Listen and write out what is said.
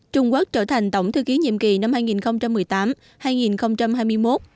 trung quốc trở thành tổng thư ký nhiệm kỳ năm hai nghìn một mươi tám hai nghìn hai mươi một